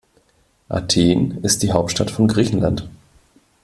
Athen ist die Hauptstadt von Griechenland.